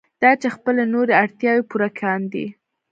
دا چې خپلې نورې اړتیاوې پوره کاندي.